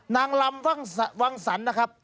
นางลำวังสรรนะครับ